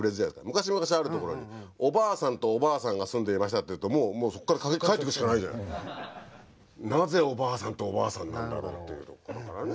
「昔々あるところにおばあさんとおばあさんが住んでいました」っていうともうそこから書いてくしかないじゃない。なぜおばあさんとおばあさんなんだろうっていうところからね。